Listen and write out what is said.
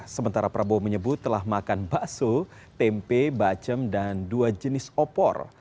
sementara prabowo menyebut telah makan bakso tempe bacem dan dua jenis opor